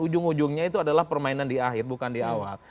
ujung ujungnya itu adalah permainan di akhir bukan di awal